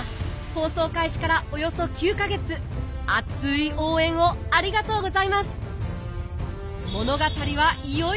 放送開始からおよそ９か月熱い応援をありがとうございます！